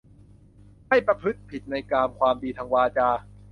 ไม่ประพฤติผิดในกาม ความดีทางวาจา